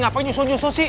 ngapain nyusul nyusul sih